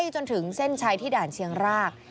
จนถึงเส้นชัยที่ด่านเชียงราก